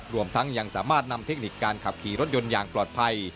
รวมทั้งยังสามารถนำเทคนิคการขับขี่รถยนต์อย่างปลอดภัย